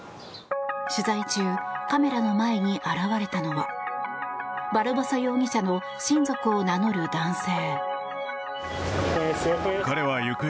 取材中カメラの前に現れたのはバルボサ容疑者の親族を名乗る男性。